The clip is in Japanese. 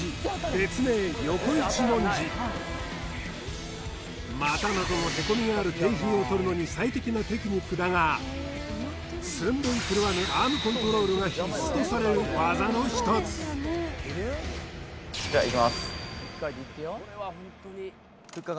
別名横一文字股などの凹みがある景品をとるのに最適なテクニックだが寸分狂わぬアームコントロールが必須とされる技の一つじゃいきます